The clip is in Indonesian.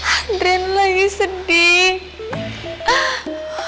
adriana lagi sedih